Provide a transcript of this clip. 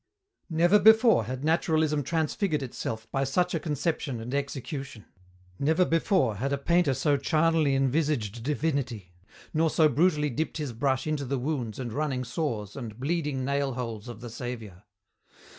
Never before had naturalism transfigured itself by such a conception and execution. Never before had a painter so charnally envisaged divinity nor so brutally dipped his brush into the wounds and running sores and bleeding nail holes of the Saviour.